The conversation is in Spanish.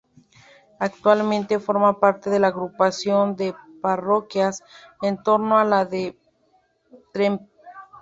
Actualmente forma parte de la agrupación de parroquias en torno a la de Tremp.